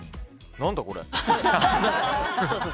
何だこれ。